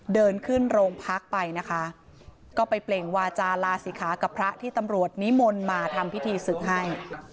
เดินขึ้นโรงพักไปนะคะก็ไปเปล่งวาจาลาศิขากับพระที่ตำรวจนิมนต์มาทำพิธีศึกให้